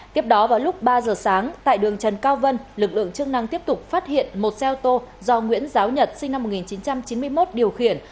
tiếp đó vào lúc ba giờ sáng tại đường trần cao vân lực lượng chức năng tiếp tục phát hiện một xe ô tô do nguyễn giáo nhật sinh năm một nghìn chín trăm chín mươi một điều khiển